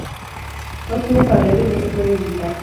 No tiene farero y no se puede visitar.